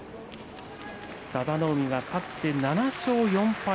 佐田の海勝って７勝４敗